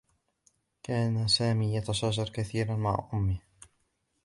كان سامي يتشاجر كثيرا مع أمّه.